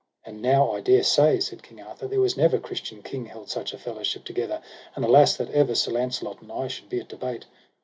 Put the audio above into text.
And now I dare say, said King Arthur, there was never Christian king held such a fellowship together; and alas that ever Sir Launcelot and I should be at debate.